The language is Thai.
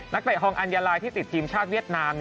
เตะฮองอัญญาลายที่ติดทีมชาติเวียดนาม